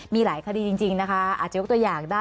มีหลายคดีจริงนะคะ